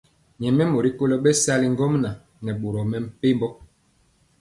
Nyɛmemɔ rikolo bɛsali ŋgomnaŋ nɛ boro mepempɔ.